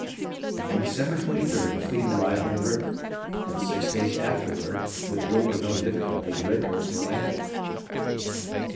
On December 23d the fleet arrived in the river, and six days afterward with little or no difficulty the redcoats were landed.